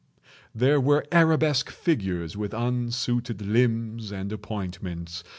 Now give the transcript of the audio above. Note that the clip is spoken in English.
There were arabesque figures with unsuited limbs and appointments.